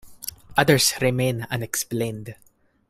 Others remain unexplained.